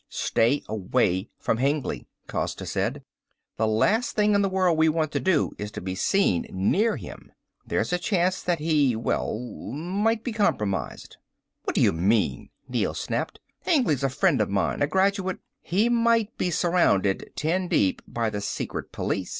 Stay away from Hengly," Costa said. "The last thing in the world we want to do, is to be seen near him. There's a chance that he ... well ... might be compromised." "What do you mean!" Neel snapped. "Hengly's a friend of mine, a graduate " "He might also be surrounded ten deep by the secret police.